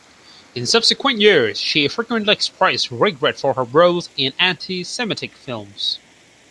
In subsequent years, she frequently expressed regret for her roles in anti-semitic films.